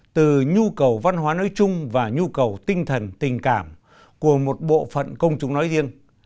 từ nhu cầu văn hóa nói chung và nhu cầu tinh thần tình cảm của một bộ phận công chúng nói riêng